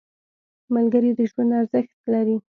• ملګری د ژوند ارزښت لري.